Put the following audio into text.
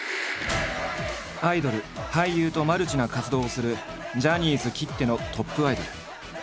アイドル俳優とマルチな活動をするジャニーズきってのトップアイドル。